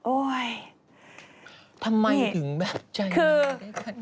โอ๊ยทำไมถึงแบบใจมันได้แค่นั้น